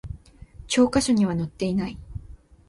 教科書には載っていない